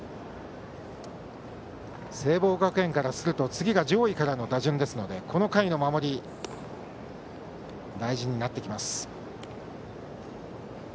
聖望学園からすると次が上位からの打順ですのでこの回の守りは大事です。